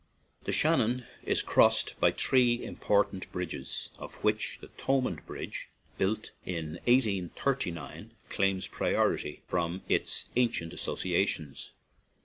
The Shannon is crossed by three im portant bridges, of which the Thomond Bridge, rebuilt in 1839, claims priority from its ancient associations.